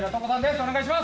お願いします。